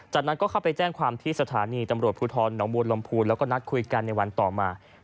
จากนั้นก็เข้าไปแจ้งความที่สถานีตำรวจภูทรหนองบัวลำพูนแล้วก็นัดคุยกันในวันต่อมา